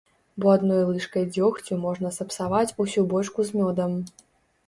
Бо адной лыжкай дзёгцю можна сапсаваць усю бочку з мёдам.